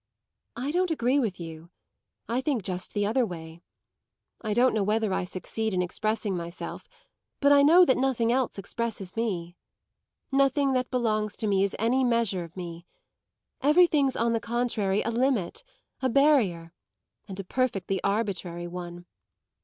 "I don't agree with you. I think just the other way. I don't know whether I succeed in expressing myself, but I know that nothing else expresses me. Nothing that belongs to me is any measure of me; everything's on the contrary a limit, a barrier, and a perfectly arbitrary one.